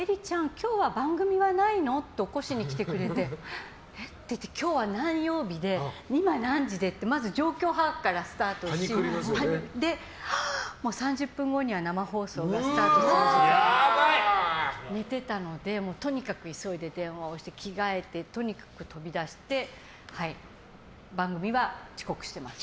今日は番組ないの？って起こしに来てくれてえ？って言って、今日は何曜日で今何時でってまず状況把握からスタートして、３０分後には生放送がスタートする時間に寝てたのでとにかく急いで電話をして着替えてとにかく飛び出して番組は遅刻しました。